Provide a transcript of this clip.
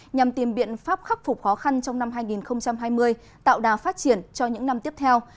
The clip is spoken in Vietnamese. nhằm tìm biện pháp khắc phục khó khăn trong năm hai nghìn hai mươi tạo đà phát triển cho những năm tiếp theo